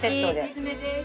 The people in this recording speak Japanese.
お勧めです。